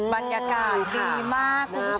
บรรยากาศดีมากคุณผู้ชม